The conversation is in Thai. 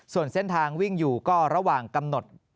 ส่วนเส้นทางวิ่งอยู่ก็ระหว่างกำหนด